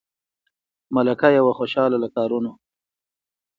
ملکه یې وه خوشاله له کارونو